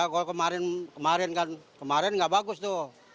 kalau kemarin kemarin kan kemarin nggak bagus tuh